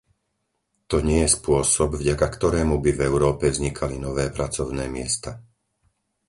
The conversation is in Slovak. To nie je spôsob, vďaka ktorému by v Európe vznikali nové pracovné miesta.